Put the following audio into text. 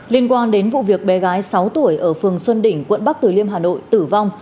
liên quan đến vụ việc bé gái sáu tuổi ở phường xuân đỉnh quận bắc từ liêm hà nội tử vong